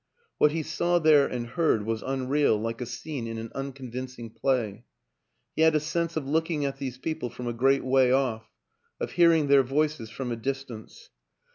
What he saw there and heard was un real, like a scene in an unconvincing play; he had a sense of looking at these people from a great way off, of hearing their voices from a distance.